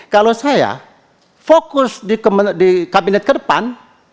kalau saya fokus di kabinet ke depan